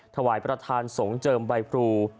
ถวายประธานสงฆ์เจิมใบพรู